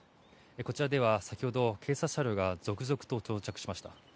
こちらでは先ほど、警察車両が続々と到着しました。